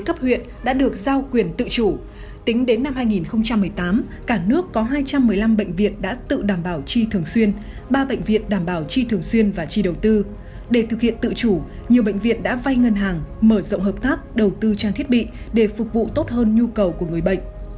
các bệnh viện tự chủ nhiều bệnh viện đã vay ngân hàng mở rộng hợp tác đầu tư trang thiết bị để phục vụ tốt hơn nhu cầu của người bệnh